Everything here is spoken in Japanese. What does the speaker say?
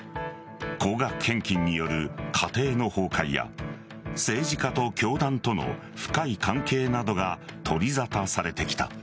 高額献金による家庭の崩壊や政治家と教団との深い関係などが取り沙汰されてきた。